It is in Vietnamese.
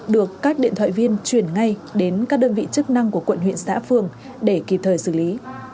được các điện thoại viên chuyển ngay đến các đơn vị chức năng của quận huyện xã phường để kịp thời xử lý